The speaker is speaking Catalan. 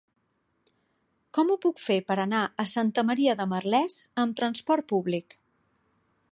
Com ho puc fer per anar a Santa Maria de Merlès amb trasport públic?